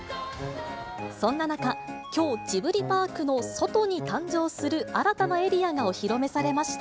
そんな中、きょう、ジブリパークの外に誕生する、新たなエリアがお披露目されました。